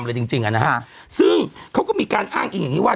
เลยจริงจริงอ่ะนะฮะซึ่งเขาก็มีการอ้างอิงอย่างงี้ว่า